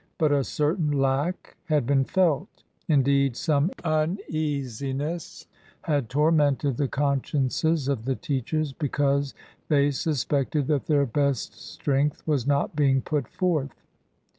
But a certain lack had been felt ; indeed, some uneasiness had tormented the consciences of the teachers because they suspected that their best strength was not being put forth.